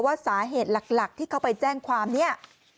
ว่าสาเหตุหลักที่เขาไปแจ้งความเนี่ย